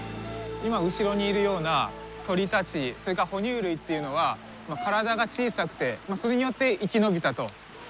今後ろにいるような鳥たちそれから哺乳類というのは体が小さくてそれによって生き延びたといわれてるわけですよね。